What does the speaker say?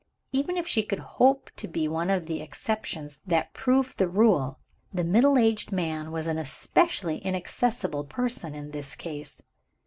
Even if she could hope to be one of the exceptions that prove the rule, the middle aged man was an especially inaccessible person, in this case.